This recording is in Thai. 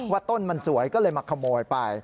ว่าต้นมันสวยก็เลยมาขโมยไป